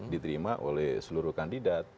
diterima oleh seluruh kandidat